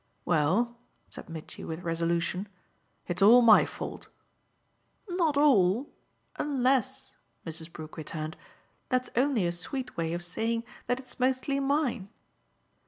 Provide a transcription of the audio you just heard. "Well," said Mitchy with resolution, "it's all my fault." "Not ALL unless," Mrs. Brook returned, "that's only a sweet way of saying that it's mostly mine."